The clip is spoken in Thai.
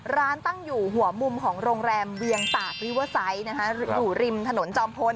ร้านตั้งอยู่หัวมุมของโรงแรมเวียงตากรีเวอร์ไซต์นะฮะ